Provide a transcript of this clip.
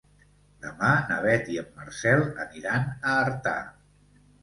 Demà na Beth i en Marcel aniran a Artà.